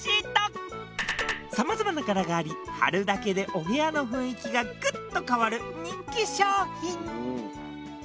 さまざまな柄があり貼るだけでお部屋の雰囲気がグッと変わる人気商品。